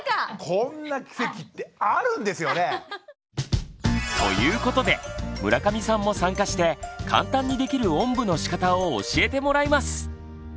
こんな奇跡ってあるんですよね！ということで村上さんも参加して簡単にできるおんぶのしかたを教えてもらいます！